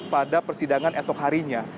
pada persidangan esok harinya